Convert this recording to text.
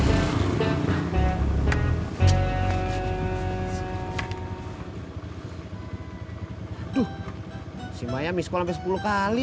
aduh si maya misko sampai sepuluh kali